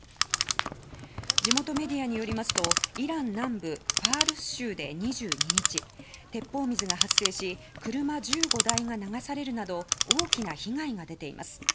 地元メディアによりますとイラン南部ファールス州で２２日、鉄砲水が発生し車１５台が流されるなど大きな被害が出ています。